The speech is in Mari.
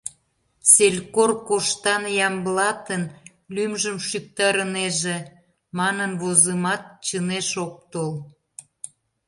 «Селькор Коштан Ямблатын лӱмжым шӱктарынеже» манын возымат чынеш ок тол.